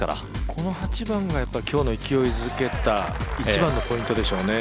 この８番が今日の勢いづけた一番のプレーでしたよね。